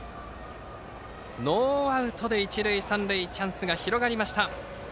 ノーアウトで一塁三塁とチャンスが広がりました。